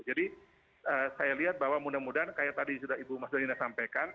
saya lihat bahwa mudah mudahan kayak tadi sudah ibu mas dalina sampaikan